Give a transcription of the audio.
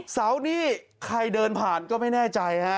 เสานี่ใครเดินผ่านก็ไม่แน่ใจฮะ